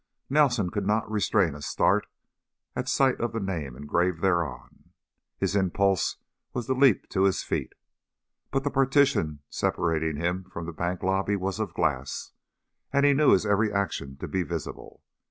Nelson could not restrain a start at sight of the name engraved thereon; his impulse was to leap to his feet. But the partition separating him from the bank lobby was of glass, and he knew his every action to be visible.